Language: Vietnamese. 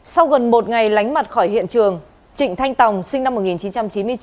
sau gần một ngày lánh mặt khỏi hiện trường trịnh thanh tòng sinh năm một nghìn chín trăm chín mươi chín